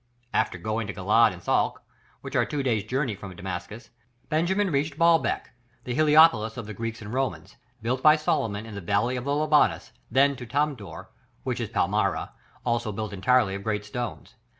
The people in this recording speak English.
After going to Galad and Salkah, which are two days' journey from Damascus, Benjamin reached Baalbec, the Heliopolis of the Greeks and Romans, built by Solomon, in the valley of the Libanus, then to Tadmor, which is Palmyra, also built entirely of great stones.